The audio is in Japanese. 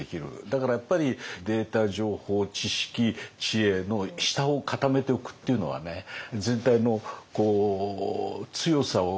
だからやっぱりデータ情報知識知恵の下を固めておくというのは全体の強さを生み出すもとですよね。